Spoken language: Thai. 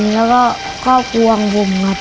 แล้วก็ครอบครัวของผมครับ